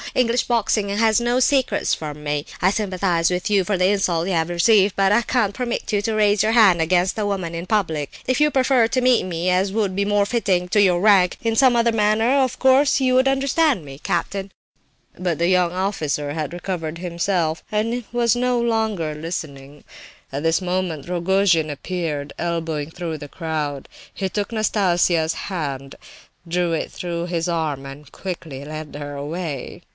English boxing has no secrets from me. I sympathize with you for the insult you have received, but I can't permit you to raise your hand against a woman in public. If you prefer to meet me—as would be more fitting to your rank—in some other manner, of course you understand me, captain." But the young officer had recovered himself, and was no longer listening. At this moment Rogojin appeared, elbowing through the crowd; he took Nastasia's hand, drew it through his arm, and quickly led her away.